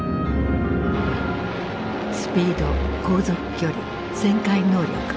スピード航続距離旋回能力。